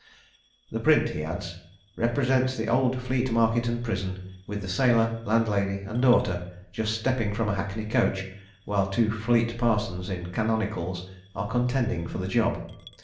"The print," he adds, "represents the old Fleet market and prison, with the sailor, landlady, and daughter, just stepping from a hackney coach, while two Fleet parsons in canonicals are contending for the job.